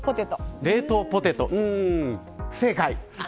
不正解。